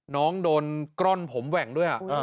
น้องโดนก้อนผมแหว่งด้วย